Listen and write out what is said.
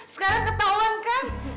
sekarang ketawang kan